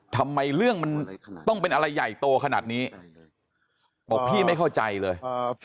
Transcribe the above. ทำไมเรื่องมันต้องเป็นอะไรใหญ่โตขนาดนี้บอกพี่ไม่เข้าใจเลย